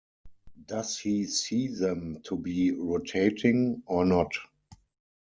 Does he see them to be "rotating", or not?